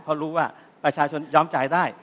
เพราะรู้ว่าประชาชนยอมจ่ายได้